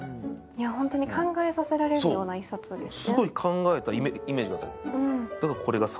本当に考えさせられるような一冊ですよね。